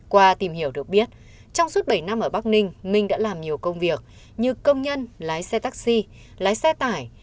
qua tìm hiểu được biết trong suốt bảy năm ở bắc ninh minh đã làm nhiều công việc như công nhân lái xe taxi lái xe tải